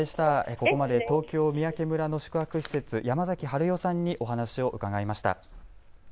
ここまで東京三宅村の宿泊施設、山崎春代さんにお話を伺いました。